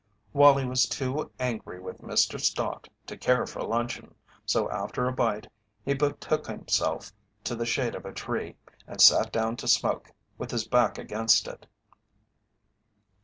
Wallie was too angry with Mr. Stott to care for luncheon, so after a bite he betook himself to the shade of a tree, and sat down to smoke, with his back against it.